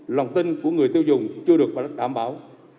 lòng tin của người tiêu dùng chưa được đảm bảo